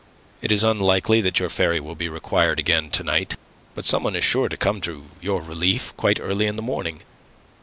"It is unlikely that your ferry will be required again to night. But some one is sure to come to your relief quite early in the morning.